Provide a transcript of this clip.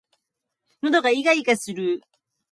喉がいがいがする